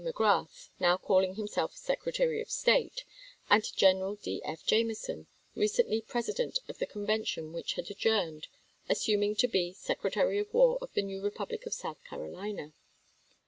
Magrath, now calling himself Secretary of State, and General D. F. Jamison, Doubieday, recently president of the convention which had yumu'r'aiHi adjourned, assuming to be Secretary of War of pUios?' the new Republic of South Carolina.